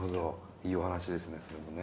いいお話ですねそれもね。